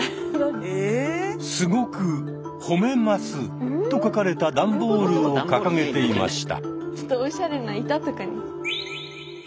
「すごくほめます」と書かれた段ボールを掲げていました。